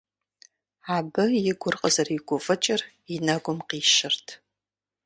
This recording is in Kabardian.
Абы и гур къызэригуфӀыкӀыр и нэгум къищырт.